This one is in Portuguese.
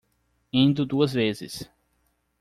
Indo duas vezes